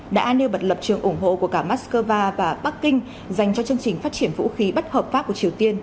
đã nêu bật lập trường ủng hộ của cả moscow và bắc kinh dành cho chương trình phát triển vũ khí bất hợp pháp của triều tiên